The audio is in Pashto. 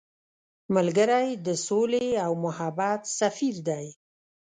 ملګری د سولې او محبت سفیر دی